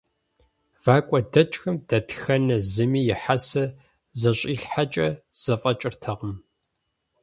ВакӀуэ дэкӀхэм дэтхэнэ зыми и хьэсэр зэщӀилъхьакӀэ зэфӀэкӀыртэкъым.